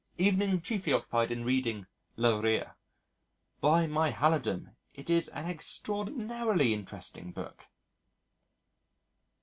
Evening chiefly occupied in reading Le Rire. By my halidom, it is an extraordinarily interesting book!